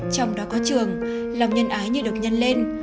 trong đó có trường lòng nhân ái như được nhân lên